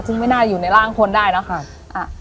จึงไม่น่าอยู่ในร่างคนได้นะครับอ่ะ